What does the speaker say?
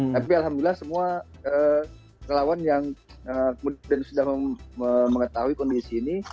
tapi alhamdulillah semua relawan yang kemudian sudah mengetahui kondisi ini